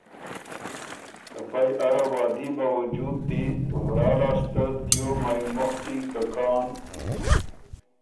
ته پئ اره وعدي باؤجود دي ورا لاسته دیو مایٛ مُخکی که کان